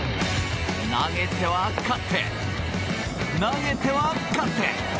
投げては勝って投げては勝って。